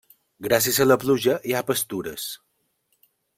Gràcies a la pluja hi ha pastures.